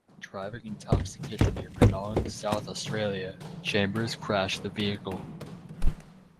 Driving intoxicated near Penong, South Australia, Chambers crashed the vehicle.